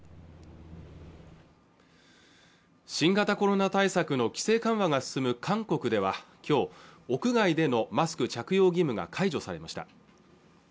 新型コロナ対策の規制緩和が進む韓国ではきょう屋外でのマスク着用義務が解除されました